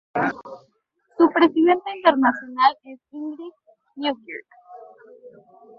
Su presidenta internacional es Ingrid Newkirk.